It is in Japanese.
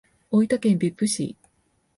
大分県別府市